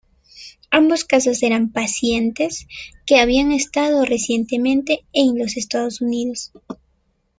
Ambos casos eran pacientes que habían estado recientemente en los Estados Unidos.